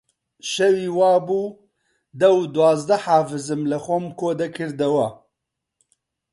شەوی وا بوو دە و دوازدە حافزم لەخۆم کۆ دەکردەوە